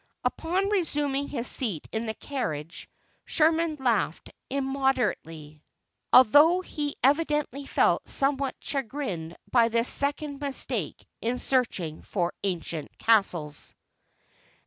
Upon resuming his seat in the carriage, Sherman laughed immoderately, although he evidently felt somewhat chagrined by this second mistake in searching for ancient castles.